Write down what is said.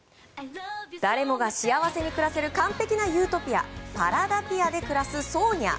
誰もが幸せに暮らせるユートピアパラダピアで暮らすソーニャ。